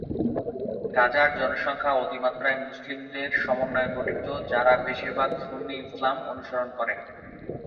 গাজার জনসংখ্যা অতিমাত্রায় মুসলিমদের সমন্বয়ে গঠিত, যারা বেশিরভাগ সুন্নি ইসলামকে অনুসরণ করে।